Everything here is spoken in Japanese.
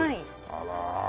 あら。